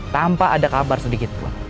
tanpa ada kabar sedikitpun